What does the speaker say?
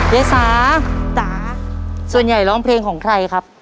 ยายสาจ๋าส่วนใหญ่ร้องเพลงของใครครับ